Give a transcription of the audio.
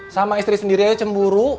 sama istri sendiri aja cemburu